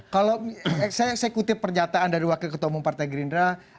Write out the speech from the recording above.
kalau saya kutip pernyataan dari wakil ketua umum partai gerindra